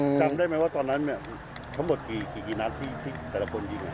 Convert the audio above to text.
จำได้ไหมว่าตอนนั้นเนี่ยทั้งหมดกี่นัดที่แต่ละคนยิง